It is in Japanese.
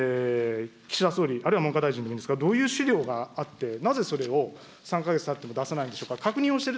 岸田総理、あるいは文科大臣でいいんですが、どういう資料があって、なぜそれを３か月たっても出さないんでしょうか。